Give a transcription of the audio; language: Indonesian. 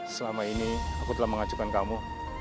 selama ini aku telah mengajukan kamu